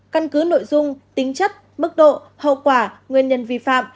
căn cứ nội dung tính chất mức độ hậu quả nguyên nhân vi phạm